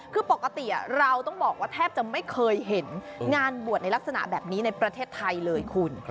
คือปกติเราต้องบอกว่าแทบจะไม่เคยเห็นงานบวชในลักษณะแบบนี้ในประเทศไทยเลยคุณ